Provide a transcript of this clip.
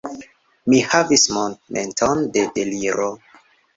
Mi havis momenton de deliro.